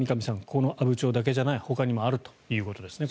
この阿武町だけじゃないほかにもあるということですね。